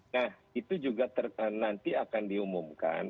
nah itu juga nanti akan diumumkan